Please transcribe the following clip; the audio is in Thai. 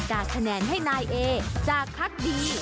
คะแนนให้นายเอจากพักดี